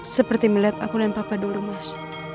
seperti melihat aku dan papa dulu mas